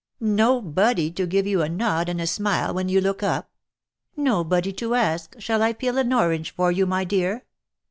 Nobody to give you a nod and a smile when you look up. Nobody to ask, ' Shall I peel an orange for you, my dear